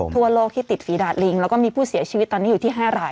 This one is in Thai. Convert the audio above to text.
ทั่วโลกที่ติดฝีดาดลิงแล้วก็มีผู้เสียชีวิตตอนนี้อยู่ที่๕ราย